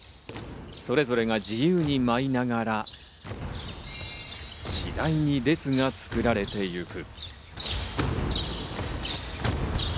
それぞれが自由に舞いながら、次第に列が作られていく。